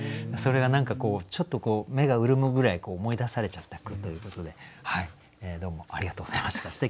それが何かこうちょっとこう目が潤むぐらい思い出されちゃった句ということではいどうもありがとうございました。